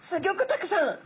たくさん。